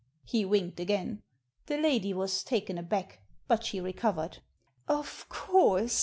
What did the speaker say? He winked again. The lady was taken aback; but she recovered. Of course.